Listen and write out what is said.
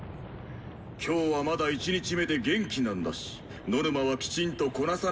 今日はまだ１日目で元気なんだしノルマはきちんとこなさないとね。